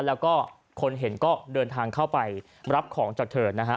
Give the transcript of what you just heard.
แล้วก็คนเห็นก็เดินทางเข้าไปรับของจากเธอนะฮะ